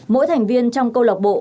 mỗi thành viên trong câu lộc bộ